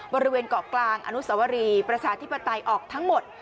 บริเวณเกาะกลางอนุสวรีประชาธิปไตยออกทั้งหมด